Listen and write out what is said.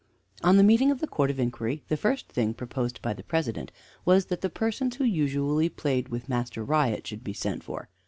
On the meeting of the Court of Inquiry the first thing proposed by the President was that the persons who usually played with Master Riot should be sent for.